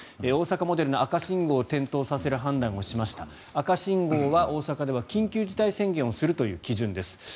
大阪モデルの赤信号を点灯させる判断をしました赤信号は大阪では緊急事態宣言をするという基準です。